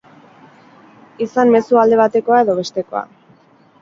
Izan mezua alde batekoa edo bestekoa.